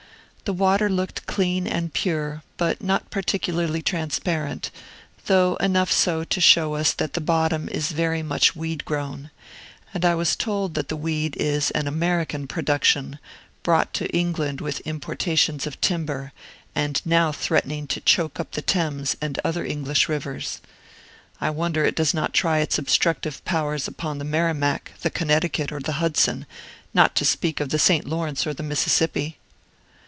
The water looked clean and pure, but not particularly transparent, though enough so to show us that the bottom is very much weedgrown; and I was told that the weed is an American production, brought to England with importations of timber, and now threatening to choke up the Thames and other English rivers. I wonder it does not try its obstructive powers upon the Merrimack, the Connecticut, or the Hudson, not to speak of the St. Lawrence or the Mississippi!